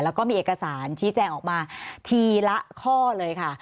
แล้วก็มีเอกสารชี้แจงออกมาทีละข้อเลยค่ะ